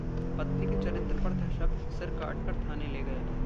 पत्नी के चरित्र पर था शक, सिर काटकर थाने ले गया